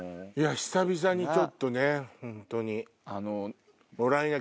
久々にちょっとね本当に。